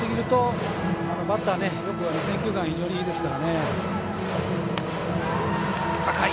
バッター、選球眼非常にいいですから。